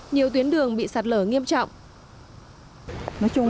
nhiều tuyến đường bị sạt lở nghiêm trọng